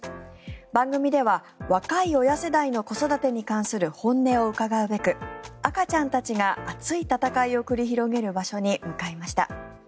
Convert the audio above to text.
番組では、若い親世代の子育てに関する本音を伺うべく赤ちゃんたちが熱い戦いを繰り広げる場所に向かいました。